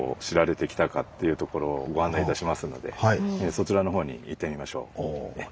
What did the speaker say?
そちらのほうに行ってみましょう。